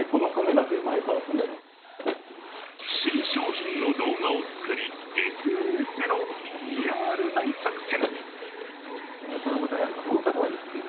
新商品の動画を作りＳＮＳでのＰＲ大作戦。